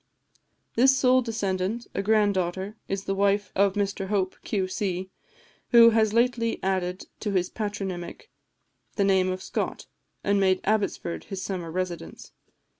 This sole descendant, a grand daughter, is the wife of Mr Hope, Q.C., who has lately added to his patronymic the name of Scott, and made Abbotsford his summer residence.